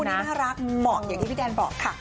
วันนี้น่ารักเหมาะอย่างที่พี่แดนบอกค่ะ